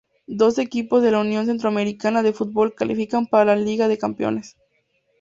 Doce equipos de la Unión Centroamericana de Fútbol califican para la Liga de Campeones.